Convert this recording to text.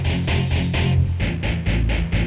kita gak boleh keroyokan